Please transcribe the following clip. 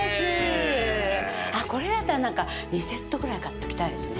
これだったらなんか２セットぐらい買っておきたいですね。